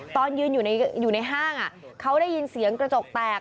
ตอนยืนอยู่ในห้างเขาได้ยินเสียงกระจกแตก